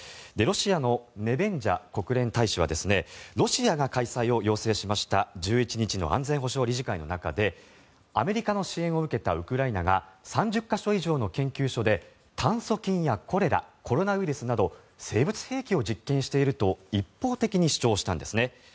ロシアのネベンジャ国連大使はロシアが開催を要請しました１１日の安全保障理事会の中でアメリカの支援を受けたウクライナが３０か所以上の研究所で炭疽菌やコレラコロナウイルスなど生物兵器を実験していると一方的に主張したんです。